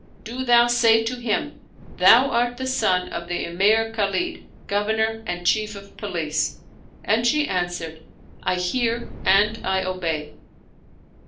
do thou say to him: Thou art the son of the Emir Khalid, Governor and Chief of Police." And she answered, " I hear and I obey."